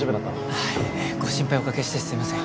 はいご心配おかけしてすみません。